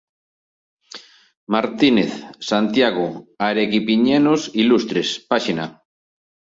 Martínez, Santiago ""Arequipeños ilustres"" pág.